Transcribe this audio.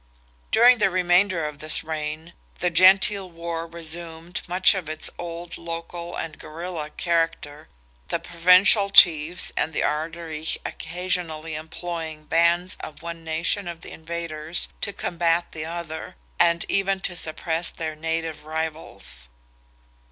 During the remainder of this reign the Gentile war resumed much of its old local and guerrilla character, the Provincial chiefs, and the Ard Righ, occasionally employing bands of one nation of the invaders to combat the other, and even to suppress their native rivals.